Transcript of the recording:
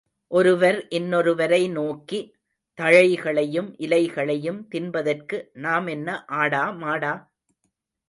ஒருவர் இன்னொருவரை நோக்கி, தழைகளையும் இலைகளையும் தின்பதற்கு நாம் என்ன ஆடா மாடா?